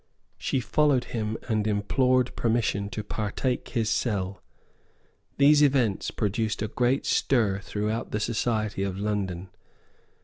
She followed him and implored permission to partake his cell. These events produced a great stir throughout the society of London.